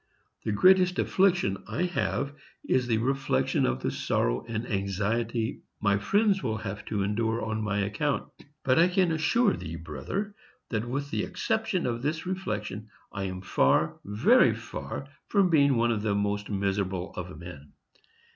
The greatest affliction I have is the reflection of the sorrow and anxiety my friends will have to endure on my account. But I can assure thee, brother, that with the exception of this reflection, I am far, very far, from being one of the most miserable of men.